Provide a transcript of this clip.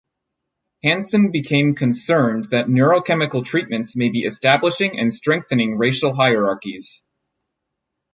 Hansen became concerned that neurochemical treatments may be establishing and strengthening racial hierarchies.